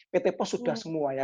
pt pos sudah semua ya